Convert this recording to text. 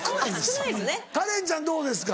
カレンちゃんどうですか？